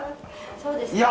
そうですか？」